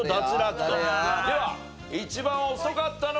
では一番遅かったのは。